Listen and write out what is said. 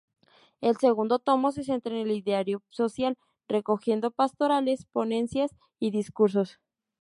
El segundo tomo se centra en el ideario social, recogiendo pastorales, ponencias y discursos.